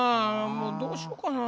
もうどうしようかなぁ。